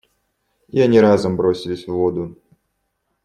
И они разом бросились в воду.